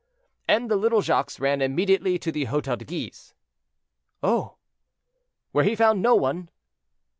"And the little Jacques ran immediately to the Hotel de Guise." "Oh!" "Where he found no one."